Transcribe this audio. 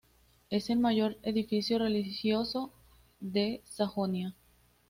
Es el mayor edificio religioso de Sajonia.